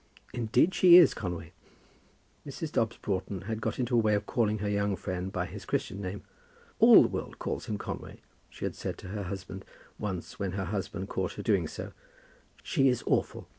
"Indeed she is, Conway." Mrs. Dobbs Broughton had got into a way of calling her young friend by his Christian name. "All the world calls him Conway," she had said to her husband once when her husband caught her doing so. "She is awful.